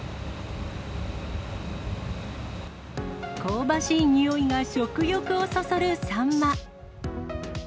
香ばしい匂いが食欲をそそるサンマ。